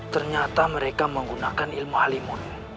ternyata mereka menggunakan ilmu alemon